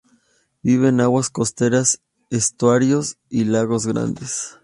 Vive en aguas costeras, estuarios y lagos grandes.